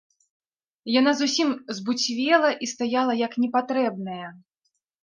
Яна зусім збуцвела і стаяла як непатрэбная.